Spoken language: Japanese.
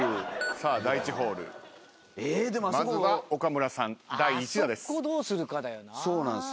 さあ第１ホールまずは岡村さん第１打です。